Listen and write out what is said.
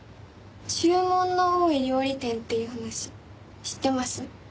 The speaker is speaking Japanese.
『注文の多い料理店』っていうお話知ってます？